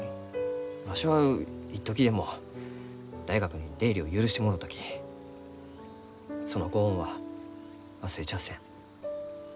わしは一時でも大学に出入りを許してもろうたきそのご恩は忘れちゃあせん。